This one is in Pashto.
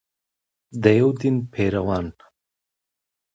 د یو دین پیروان.